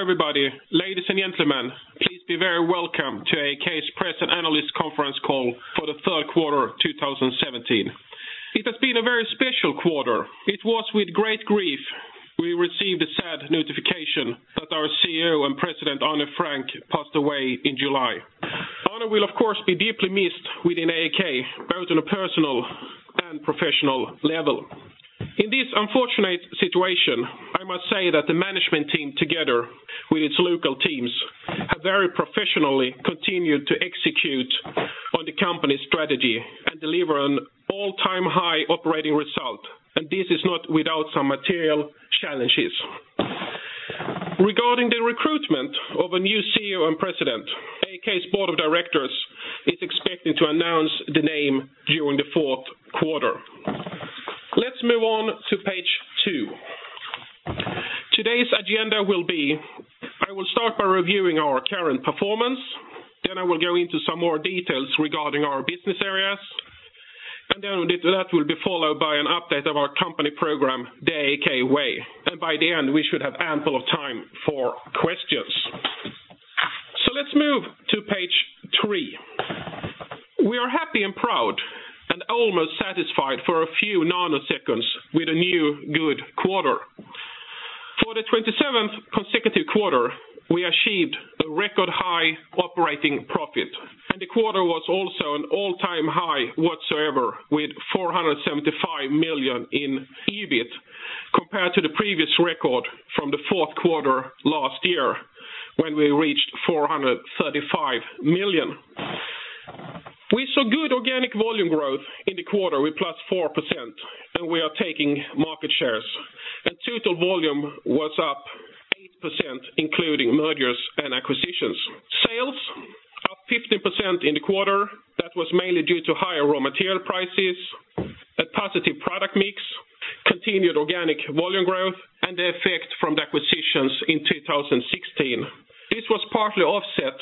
Hello, everybody. Ladies and gentlemen, please be very welcome to AAK's Press and Analyst Conference Call for the third quarter of 2017. It has been a very special quarter. It was with great grief, we received the sad notification that our CEO and President, Arne Frank, passed away in July. Arne will, of course, be deeply missed within AAK, both on a personal and professional level. In this unfortunate situation, I must say that the management team, together with its local teams, have very professionally continued to execute on the company's strategy and deliver an all-time high operating result. This is not without some material challenges. Regarding the recruitment of a new CEO and President, AAK's Board of Directors is expecting to announce the name during the fourth quarter. Let's move on to page two. Today's agenda will be, I will start by reviewing our current performance. I will go into some more details regarding our business areas. That will be followed by an update of our company program, The AAK Way. By the end, we should have ample of time for questions. Let's move to page three. We are happy and proud and almost satisfied for a few nanoseconds with a new good quarter. For the 27th consecutive quarter, we achieved a record high operating profit, and the quarter was also an all-time high whatsoever, with 475 million in EBIT compared to the previous record from the fourth quarter last year, when we reached 435 million. We saw good organic volume growth in the quarter with +4%. We are taking market shares. Total volume was up 8%, including mergers and acquisitions. Sales up 15% in the quarter. That was mainly due to higher raw material prices, a positive product mix, continued organic volume growth, and the effect from the acquisitions in 2016. This was partly offset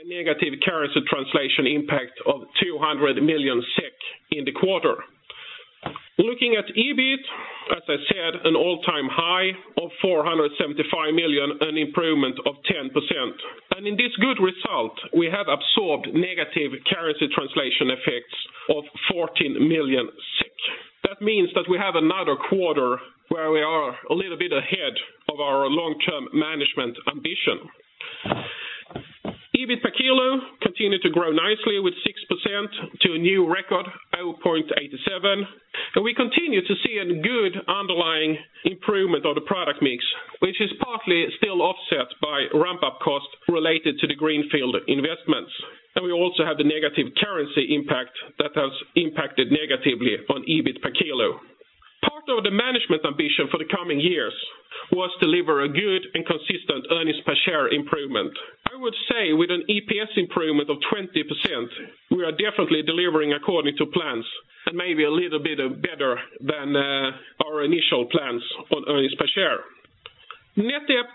by a negative currency translation impact of 200 million SEK in the quarter. Looking at EBIT, as I said, an all-time high of 475 million, an improvement of 10%. In this good result, we have absorbed negative currency translation effects of 14 million. That means that we have another quarter where we are a little bit ahead of our long-term management ambition. EBIT per kilo continued to grow nicely with 6% to a new record, 0.87. We continue to see a good underlying improvement of the product mix, which is partly still offset by ramp-up cost related to the greenfield investments. We also have the negative currency impact that has impacted negatively on EBIT per kilo. Part of the management ambition for the coming years was to deliver a good and consistent earnings-per-share improvement. I would say with an EPS improvement of 20%, we are definitely delivering according to plans and maybe a little bit better than our initial plans on earnings per share. Net debt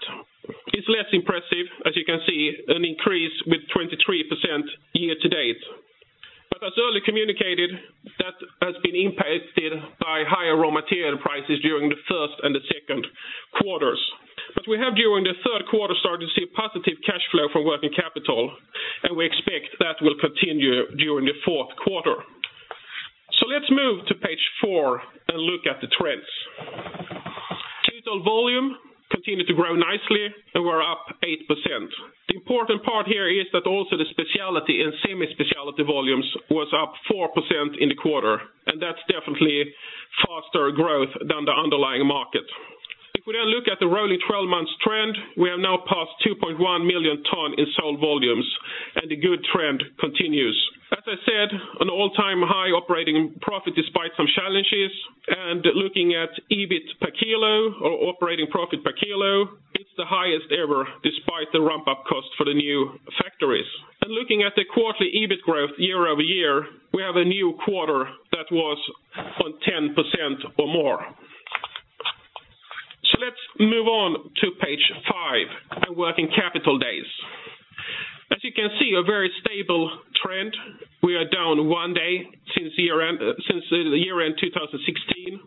is less impressive, as you can see, an increase with 23% year to date. As early communicated, that has been impacted by higher raw material prices during the first and the second quarters. We have during the third quarter started to see positive cash flow from working capital. We expect that will continue during the fourth quarter. Let's move to page four and look at the trends. Total volume continued to grow nicely. We're up 8%. The important part here is that also the specialty and semi-specialty volumes was up 4% in the quarter. That's definitely faster growth than the underlying market. We then look at the rolling 12 months trend, we are now past 2.1 million ton in sold volumes. The good trend continues. As I said, an all-time high operating profit despite some challenges. Looking at EBIT per kilo or operating profit per kilo, it's the highest ever despite the ramp-up cost for the new factories. Looking at the quarterly EBIT growth year-over-year, we have a new quarter that was on 10% or more. Let's move on to page five, the working capital days. As you can see, a very stable trend. We are down one day since the year-end 2016.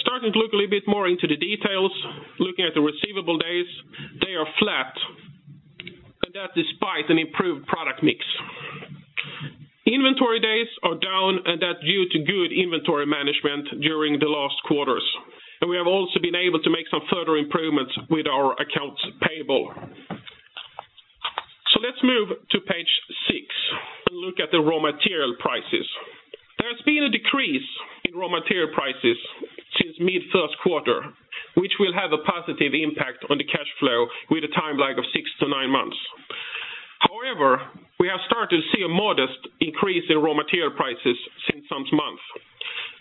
Starting to look a little bit more into the details. Looking at the receivable days, they are flat. That despite an improved product mix. Inventory days are down. That's due to good inventory management during the last quarters. We have also been able to make some further improvements with our accounts payable. Let's move to page six and look at the raw material prices. There's been a decrease in raw material prices since mid-first quarter, which will have a positive impact on the cash flow with a time lag of six to nine months. However, we have started to see a modest increase in raw material prices since some months.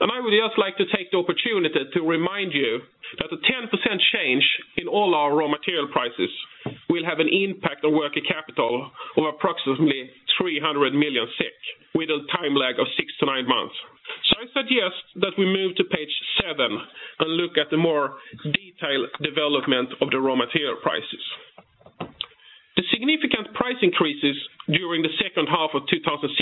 I would just like to take the opportunity to remind you that a 10% change in all our raw material prices will have an impact on working capital of approximately 300 million SEK with a time lag of six to nine months. I suggest that we move to page seven and look at the more detailed development of the raw material prices. Significant price increases during the second half of 2016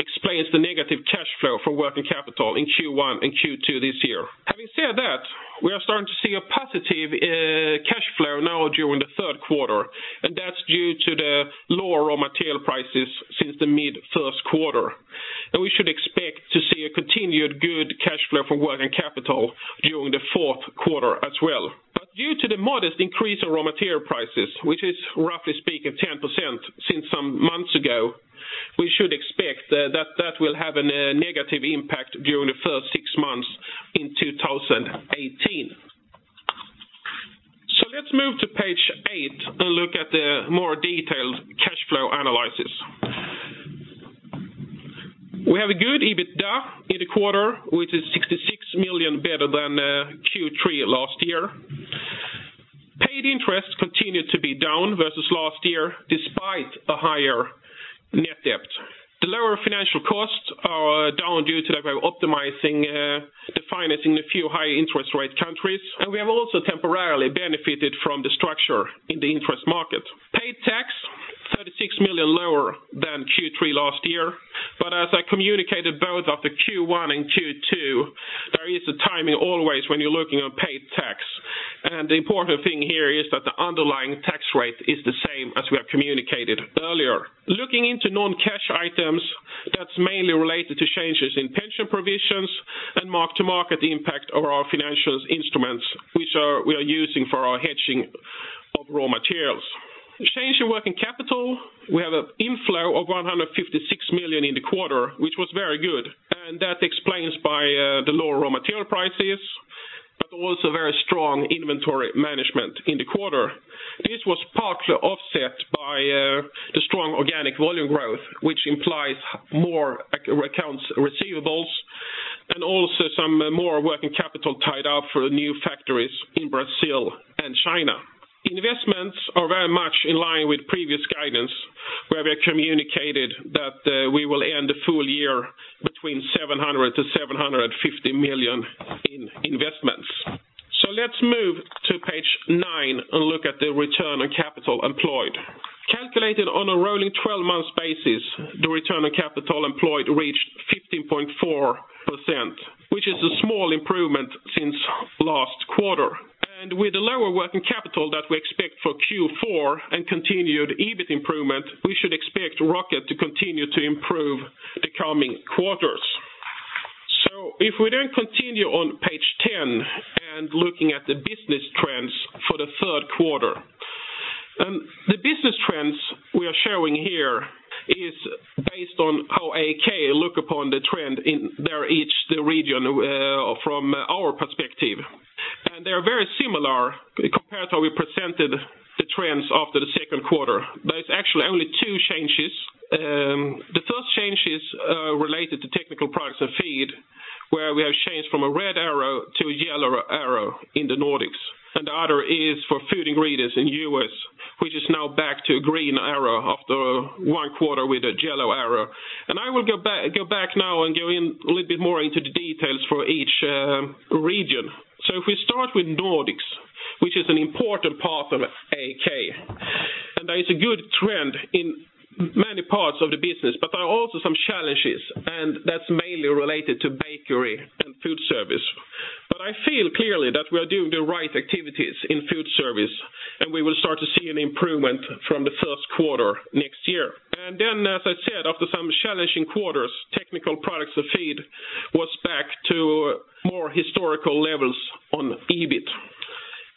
explains the negative cash flow for working capital in Q1 and Q2 this year. Having said that, we are starting to see a positive cash flow now during the third quarter. That's due to the lower raw material prices since the mid-first quarter. We should expect to see a continued good cash flow from working capital during the fourth quarter as well. Due to the modest increase in raw material prices, which is roughly speaking 10% since some months ago, we should expect that will have a negative impact during the first six months in 2018. Let's move to page eight and look at the more detailed cash flow analysis. We have a good EBITDA in the quarter, which is 66 million better than Q3 last year. Paid interest continued to be down versus last year despite a higher net debt. The lower financial costs are down due to that we are optimizing the finance in the few high interest rate countries. We have also temporarily benefited from the structure in the interest market. Paid tax, 36 million lower than Q3 last year. As I communicated both after Q1 and Q2, there is a timing always when you're looking at paid tax. The important thing here is that the underlying tax rate is the same as we have communicated earlier. Looking into non-cash items, that's mainly related to changes in pension provisions and mark-to-market impact of our financials instruments, which we are using for our hedging of raw materials. Change in working capital, we have an inflow of 156 million in the quarter, which was very good, and that explained by the lower raw material prices, but also very strong inventory management in the quarter. This was partly offset by the strong organic volume growth, which implies more accounts receivables and also some more working capital tied up for the new factories in Brazil and China. Investments are very much in line with previous guidance, where we have communicated that we will end the full year between 700 million-750 million in investments. Let's move to page nine and look at the return on capital employed. Calculated on a rolling 12 months basis, the return on capital employed reached 15.4%, which is a small improvement since last quarter. With the lower working capital that we expect for Q4 and continued EBIT improvement, we should expect ROCE to continue to improve the coming quarters. If we continue on page 10 and looking at the business trends for the third quarter. The business trends we are showing here is based on how AAK look upon the trend in each region from our perspective. They're very similar compared to how we presented the trends after the second quarter. There is actually only two changes. The first change is related to Technical Products & Feed, where we have changed from a red arrow to a yellow arrow in the Nordics. The other is for Food Ingredients in the U.S., which is now back to a green arrow after one quarter with a yellow arrow. I will go back now and go a little bit more into the details for each region. If we start with Nordics, which is an important part of AAK, there is a good trend in many parts of the business, but there are also some challenges, and that's mainly related to bakery and food service. I feel clearly that we are doing the right activities in food service, and we will start to see an improvement from the first quarter next year. As I said, after some challenging quarters, Technical Products & Feed was back to more historical levels on EBIT.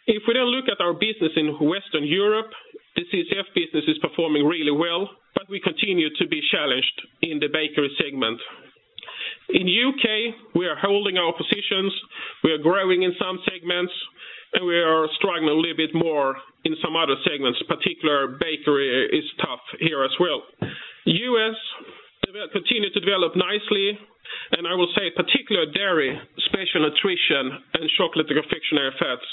If we look at our business in Western Europe, the CCF business is performing really well, but we continue to be challenged in the bakery segment. In the U.K., we are holding our positions, we are growing in some segments, and we are struggling a little bit more in some other segments. Particular bakery is tough here as well. The U.S. continue to develop nicely, I will say particular Dairy, Special Nutrition, and Chocolate & Confectionery Fats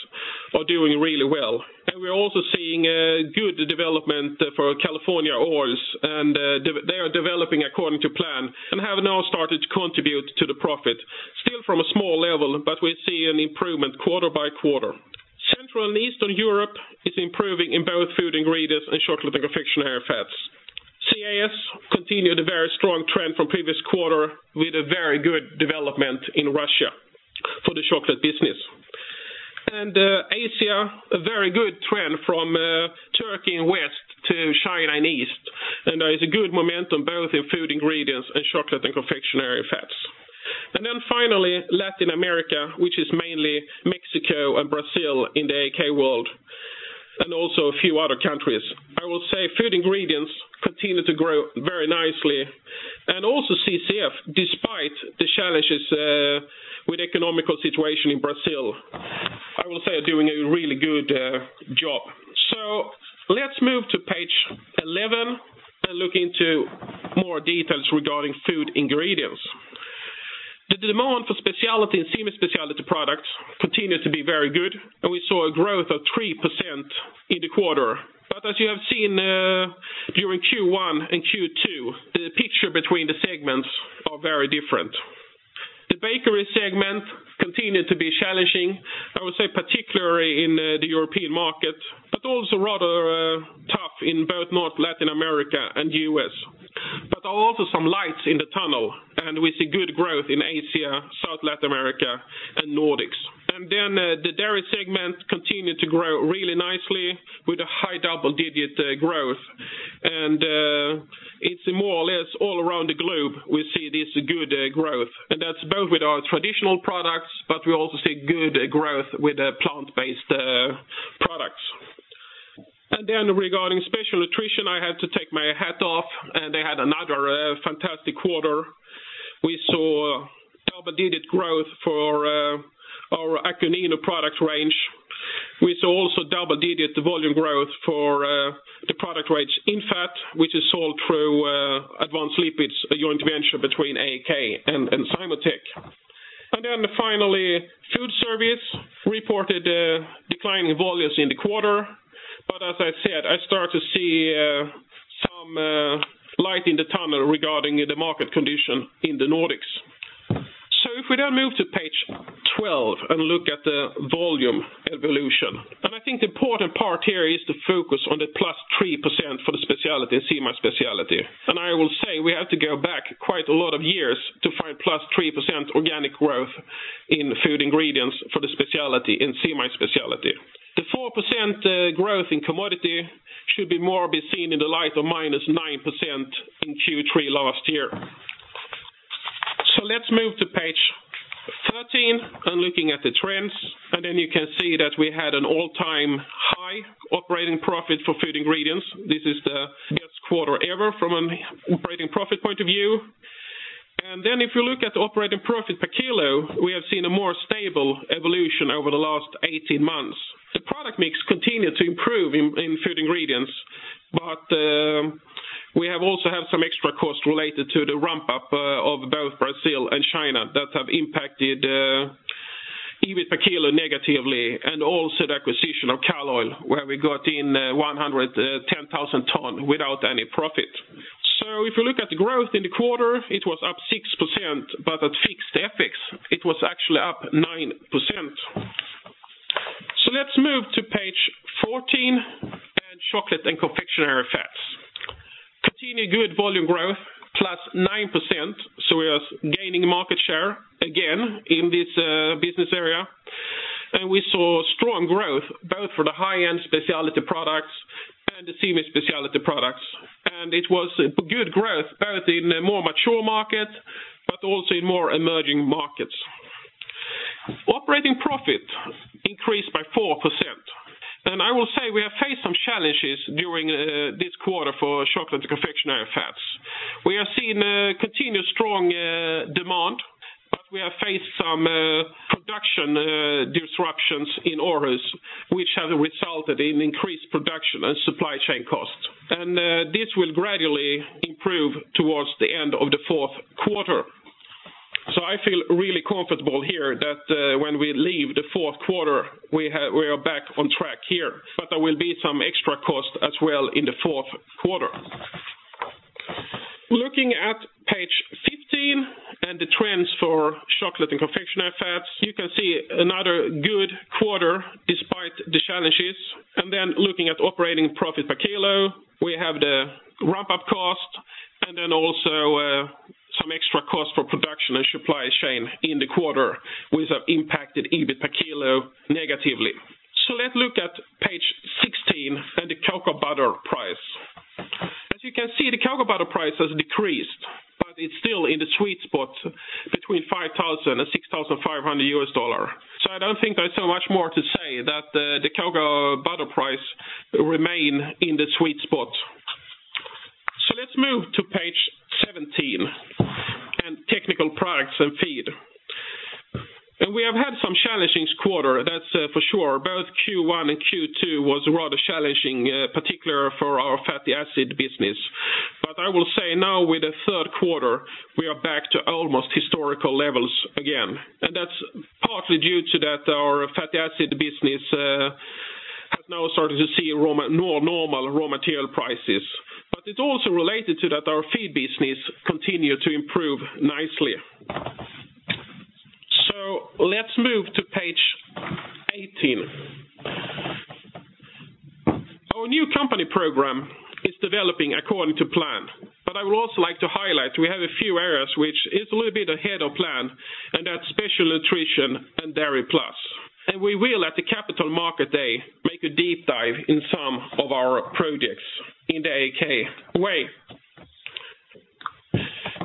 are doing really well. We are also seeing a good development for California Oils, and they are developing according to plan and have now started to contribute to the profit. Still from a small level, but we see an improvement quarter by quarter. Central and Eastern Europe is improving in both Food Ingredients and Chocolate & Confectionery Fats. CIS continued a very strong trend from previous quarter with a very good development in Russia for the chocolate business. Asia, a very good trend from Turkey and West to China and East. There is a good momentum both in Food Ingredients and Chocolate & Confectionery Fats. Finally, Latin America, which is mainly Mexico and Brazil in the AAK world, and also a few other countries. Food Ingredients continue to grow very nicely, CCF, despite the challenges with economical situation in Brazil, are doing a really good job. Let's move to page 11 and look into more details regarding Food Ingredients. The demand for specialty and semi-specialty products continues to be very good, and we saw a growth of 3% in the quarter. As you have seen during Q1 and Q2, the picture between the segments are very different. The bakery segment continued to be challenging, I would say particularly in the European market, but also rather tough in both North Latin America and U.S. There are also some lights in the tunnel, and we see good growth in Asia, South Latin America, and Nordics. The Dairy segment continued to grow really nicely with a high double-digit growth. It's more or less all around the globe, we see this good growth. That's both with our traditional products, but we also see good growth with the plant-based products. Regarding Special Nutrition, I have to take my hat off and they had another fantastic quarter. We saw double-digit growth for our Akonino product range. We saw also double-digit volume growth for the product range INFAT, which is sold through Advanced Lipids, a joint venture between AAK and Symrise. Finally, food service reported declining volumes in the quarter. As I said, I start to see some light in the tunnel regarding the market condition in the Nordics. If we now move to page 12 and look at the volume evolution, I think the important part here is to focus on the +3% for the specialty, semi-specialty. We have to go back quite a lot of years to find +3% organic growth in Food Ingredients for the specialty and semi-specialty. The 4% growth in commodity should be more seen in the light of -9% in Q3 last year. Let's move to page 13 and looking at the trends, then you can see that we had an all-time high operating profit for Food Ingredients. This is the best quarter ever from an operating profit point of view. If you look at EBIT per kilo, we have seen a more stable evolution over the last 18 months. The product mix continued to improve in Food Ingredients. We have also had some extra costs related to the ramp-up of both Brazil and China that have impacted EBIT per kilo negatively, and also the acquisition of Cal Oil, where we got in 110,000 tons without any profit. If you look at the growth in the quarter, it was up 6%, but at fixed FX, it was actually up 9%. Let's move to page 14 and Chocolate & Confectionery Fats. Continued good volume growth, +9%, so we are gaining market share again in this business area. We saw strong growth both for the high-end specialty products and the semi-specialty products. It was good growth, both in a more mature market, but also in more emerging markets. Operating profit increased by 4%. I will say, we have faced some challenges during this quarter for Chocolate & Confectionery Fats. We have seen continued strong demand, but we have faced some production disruptions in Aarhus, which have resulted in increased production and supply chain costs. This will gradually improve towards the end of the fourth quarter. I feel really comfortable here that when we leave the fourth quarter, we are back on track here, but there will be some extra costs as well in the fourth quarter. Looking at page 15 and the trends for Chocolate & Confectionery Fats, you can see another good quarter despite the challenges. Looking at operating profit per kilo, we have the ramp-up cost and then also some extra cost for production and supply chain in the quarter, which have impacted EBIT per kilo negatively. Let's look at page 16 and the cocoa butter price. As you can see, the cocoa butter price has decreased, but it's still in the sweet spot between $5,000 and $6,500. I don't think there's so much more to say that the cocoa butter price remain in the sweet spot. Let's move to page 17 and Technical Products & Feed. We have had some challenging quarter, that's for sure. Both Q1 and Q2 was rather challenging, particular for our fatty acid business. I will say now with the third quarter, we are back to almost historical levels again, and that's partly due to that our fatty acid business has now started to see normal raw material prices. It's also related to that our feed business continue to improve nicely. Let's move to page 18. Our new company program is developing according to plan, I would also like to highlight we have a few areas which is a little bit ahead of plan, and that's Special Nutrition and Dairy Plus. We will, at the Capital Markets Day, make a deep dive in some of our projects in The AAK Way.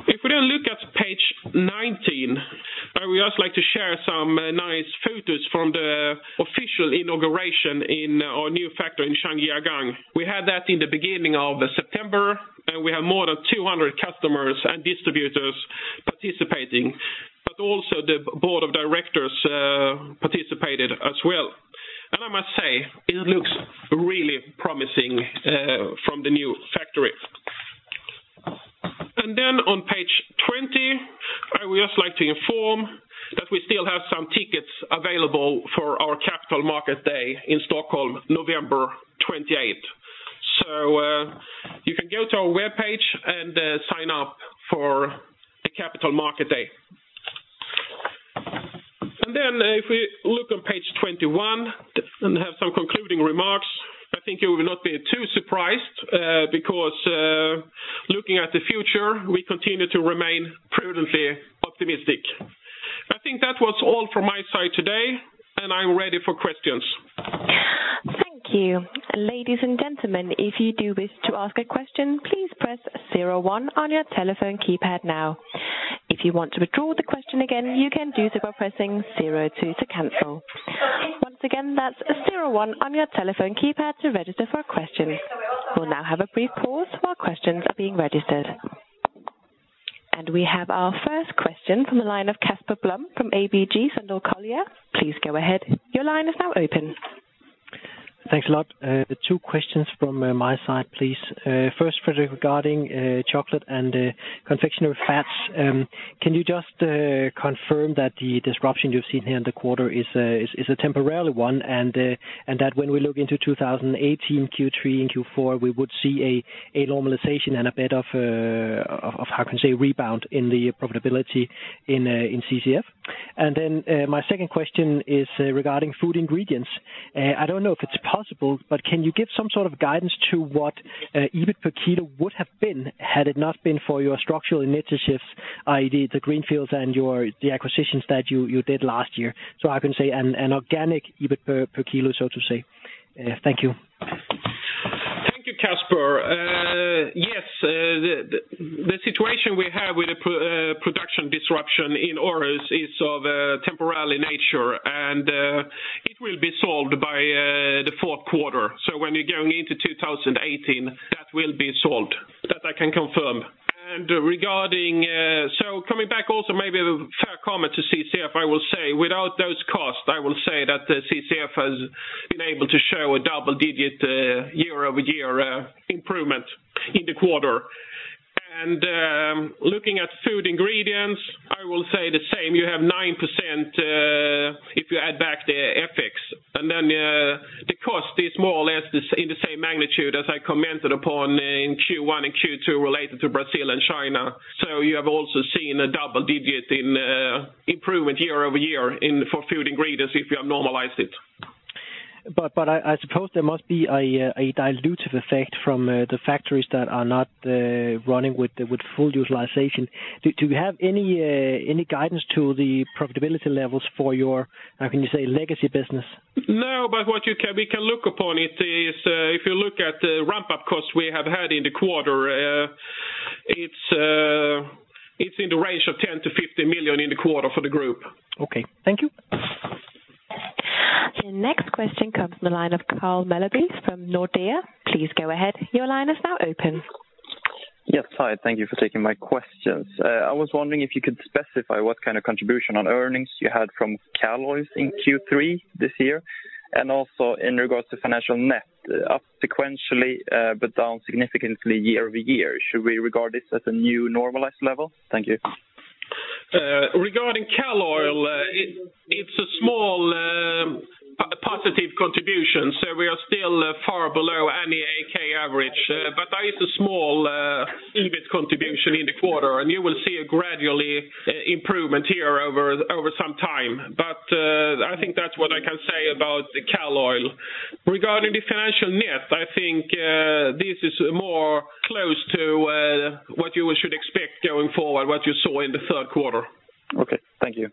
If we now look at page 19, I would just like to share some nice photos from the official inauguration in our new factory in Zhangjiagang. We had that in the beginning of September, and we had more than 200 customers and distributors participating. Also the board of directors participated as well. I must say, it looks really promising from the new factory. On page 20, I would just like to inform that we still have some tickets available for our Capital Markets Day in Stockholm, November 28th. You can go to our webpage and sign up for the Capital Markets Day. If we look on page 21 and have some concluding remarks, I think you will not be too surprised because looking at the future, we continue to remain prudently optimistic. I think that was all from my side today, and I'm ready for questions. Thank you. Ladies and gentlemen, if you do wish to ask a question, please press zero one on your telephone keypad now. If you want to withdraw the question again, you can do so by pressing zero two to cancel. Once again, that's zero one on your telephone keypad to register for a question. We'll now have a brief pause while questions are being registered. We have our first question from the line of Casper Blom from ABG Sundal Collier. Please go ahead. Your line is now open. Thanks a lot. Two questions from my side, please. First, Fredrik, regarding Chocolate & Confectionery Fats, can you just confirm that the disruption you've seen here in the quarter is a temporary one, and that when we look into 2018, Q3 and Q4, we would see a normalization and a bit of a rebound in the profitability in CCF? My second question is regarding Food Ingredients. I don't know if it's possible, but can you give some sort of guidance to what EBIT per kilo would have been, had it not been for your structural initiatives, i.e., the greenfields and the acquisitions that you did last year? I can say an organic EBIT per kilo, so to say. Thank you. Thank you, Casper. Yes, the situation we have with the production disruption in Aarhus is of a temporary nature, and it will be solved by the fourth quarter. When we're going into 2018, that will be solved. That I can confirm. Coming back also, maybe a fair comment to CCF, I will say without those costs, I will say that the CCF has been able to show a double-digit year-over-year improvement in the quarter. Looking at Food Ingredients, I will say the same. You have 9% if you add back the FX. The cost is more or less in the same magnitude as I commented upon in Q1 and Q2 related to Brazil and China. You have also seen a double-digit improvement year-over-year for Food Ingredients if you have normalized it. I suppose there must be a dilutive effect from the factories that are not running with full utilization. Do you have any guidance to the profitability levels for your, how can you say, legacy business? But what we can look upon it is if you look at the ramp-up cost we have had in the quarter, it's in the range of 10 million-15 million in the quarter for the group. Okay. Thank you. The next question comes from the line of Carl Mellerby from Nordea. Please go ahead. Your line is now open. Hi, thank you for taking my questions. I was wondering if you could specify what kind of contribution on earnings you had from Cal Oil in Q3 this year, and also in regards to financial net, up sequentially but down significantly year-over-year. Should we regard this as a new normalized level? Thank you. Regarding Cal Oil, it's a small positive contribution, so we are still far below any AAK average. That is a small EBIT contribution in the quarter, and you will see a gradual improvement here over some time. I think that's what I can say about Cal Oil. Regarding the financial net, I think this is more close to what you should expect going forward, what you saw in the third quarter. Okay. Thank you.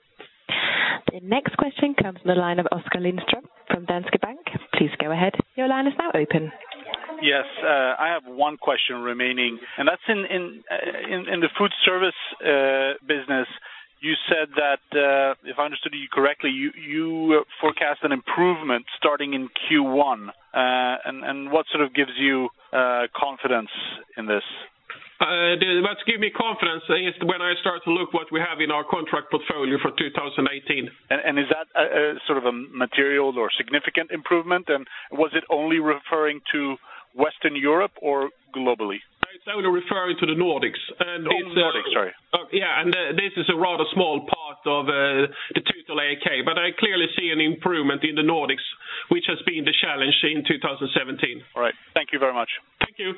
The next question comes from the line of Oskar Lindström from Danske Bank. Please go ahead. Your line is now open. Yes. I have one question remaining, and that's in the food service business, you said that, if I understood you correctly, you forecast an improvement starting in Q1. What sort of gives you confidence in this? What gives me confidence is when I start to look what we have in our contract portfolio for 2018. Is that a material or significant improvement, and was it only referring to Western Europe or globally? It's only referring to the Nordics. Only the Nordics, sorry. Yeah, this is a rather small part of the total AAK, but I clearly see an improvement in the Nordics, which has been the challenge in 2017. All right. Thank you very much. Thank you.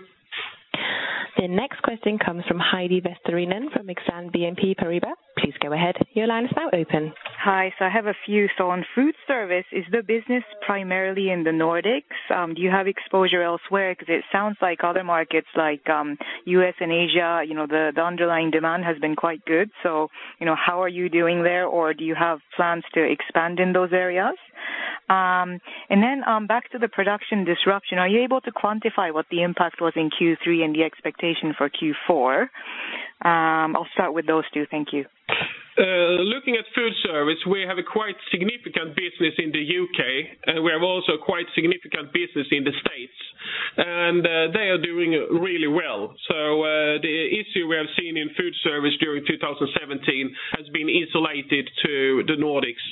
The next question comes from Heidi Vesterinen from Exane BNP Paribas. Please go ahead. Your line is now open. Hi. I have a few. On food service, is the business primarily in the Nordics? Do you have exposure elsewhere? It sounds like other markets like U.S. and Asia, the underlying demand has been quite good. How are you doing there, or do you have plans to expand in those areas? Back to the production disruption. Are you able to quantify what the impact was in Q3 and the expectation for Q4? I will start with those two. Thank you. Looking at food service, we have a quite significant business in the U.K., and we have also quite significant business in the U.S. They are doing really well. The issue we have seen in food service during 2017 has been insulated to the Nordics.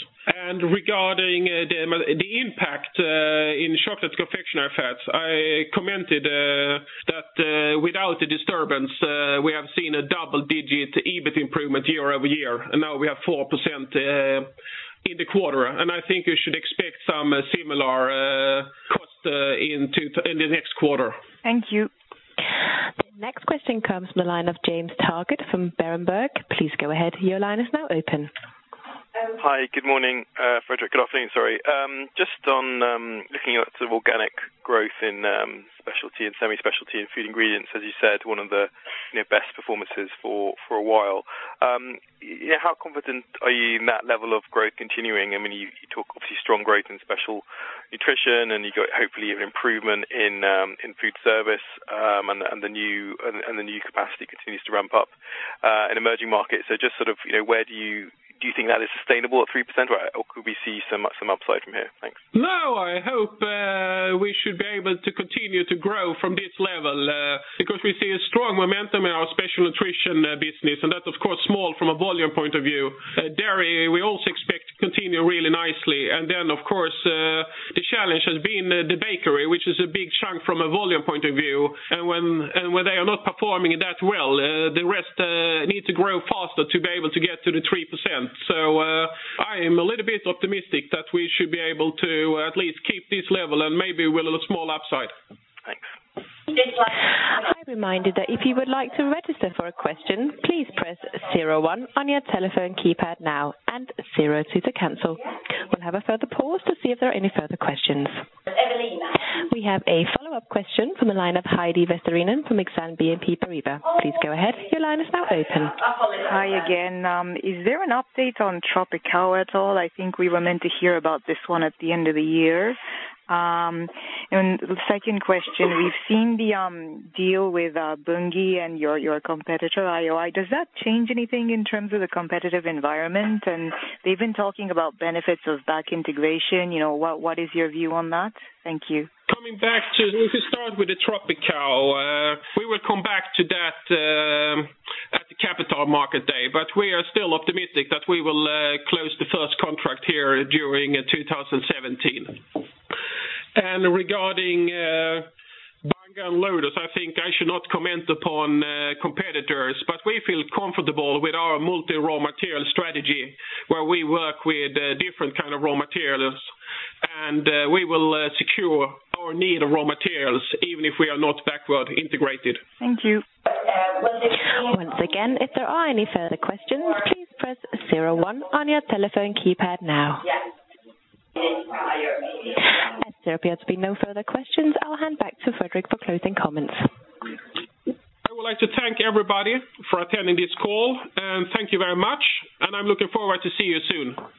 Regarding the impact in Chocolate & Confectionery Fats, I commented. Without the disturbance, we have seen a double-digit EBIT improvement year-over-year, and now we have 4% in the quarter. I think you should expect some similar cost in the next quarter. Thank you. The next question comes from the line of James Targett from Berenberg. Please go ahead, your line is now open. Hi. Good morning, Fredrik. Good afternoon, sorry. Just on looking at some organic growth in specialty and semi-specialty and Food Ingredients, as you said, one of the best performances for a while. How confident are you in that level of growth continuing? You talk, obviously, strong growth in Special Nutrition, and you've got, hopefully, an improvement in food service, and the new capacity continues to ramp up in emerging markets. Do you think that is sustainable at 3%, or could we see some upside from here? Thanks. I hope we should be able to continue to grow from this level because we see a strong momentum in our Special Nutrition business, and that's of course small from a volume point of view. Dairy, we also expect to continue really nicely. Then, of course, the challenge has been the bakery, which is a big chunk from a volume point of view. When they are not performing that well, the rest need to grow faster to be able to get to the 3%. I am a little bit optimistic that we should be able to at least keep this level and maybe with a small upside. Thanks. I remind you that if you would like to register for a question, please press zero one on your telephone keypad now, and zero two to cancel. We'll have a further pause to see if there are any further questions. We have a follow-up question from the line of Heidi Vesterinen from Exane BNP Paribas. Please go ahead. Your line is now open. Hi again. Is there an update on Tropicow at all? I think we were meant to hear about this one at the end of the year. Second question, we've seen the deal with Bunge and your competitor IOI. Does that change anything in terms of the competitive environment? They've been talking about benefits of back integration. What is your view on that? Thank you. We start with the Tropicow, we will come back to that at the Capital Markets Day. We are still optimistic that we will close the first contract here during 2017. Regarding Bunge and Loders, I think I should not comment upon competitors, we feel comfortable with our multi-raw material strategy, where we work with different kind of raw materials. We will secure our need of raw materials even if we are not backward integrated. Thank you. Once again, if there are any further questions, please press zero one on your telephone keypad now. As there appears to be no further questions, I will hand back to Fredrik for closing comments. I would like to thank everybody for attending this call. Thank you very much, and I'm looking forward to see you soon.